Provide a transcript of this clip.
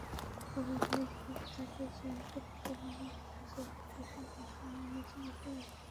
বারবারি group তাদের চলতি প্রচারণার কিছু ছবি প্রকাশের মাধ্যমে আলোচনায় চলে এসেছে।